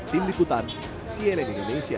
tim liputan cnn indonesia